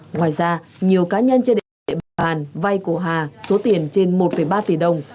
ngoài ra nhiều cá nhân trên địa bàn vay của hà số tiền trên một ba tỷ đồng